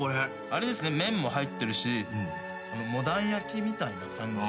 あれですね麺も入ってるしモダン焼きみたいな感じ。